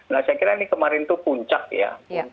nah saya kira ini kemarin itu puncak ya